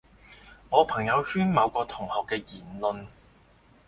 我朋友圈某個同學嘅言論